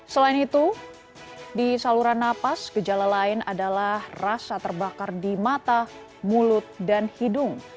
selain itu di saluran nafas gejala lain adalah rasa terbakar di mata mulut dan hidung